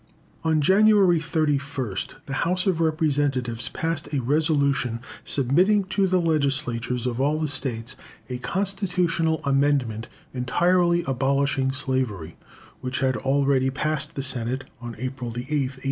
On January 31st, the House of Representatives passed a resolution submitting to the Legislatures of all the states a constitutional amendment entirely abolishing slavery, which had already passed the Senate (April 8th, 1864).